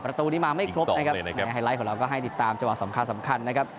ประตูนี้มาไม่ครบนะครับยังไงไฮไลท์ของเราก็ให้ติดตามจังหวะสำคัญสำคัญนะครับ